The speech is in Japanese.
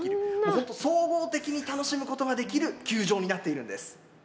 本当、総合的に楽しむことができる球場になっているんです。